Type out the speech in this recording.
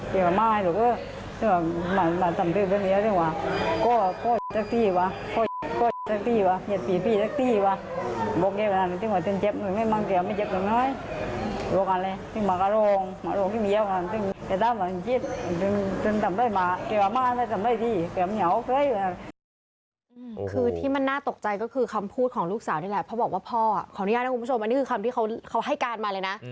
คือที่มันน่าตกใจก็คือคำพูดของลูกสาวนี่แหละเพราะบอกว่าพ่อขออนุญาตนะคุณผู้ชมอันนี้คือคำที่เขาให้การมาเลยนะ